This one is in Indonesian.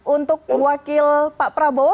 untuk wakil pak prabowo